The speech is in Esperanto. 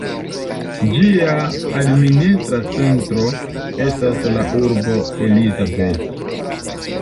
Ĝia administra centro estas la urbo Elizabeth.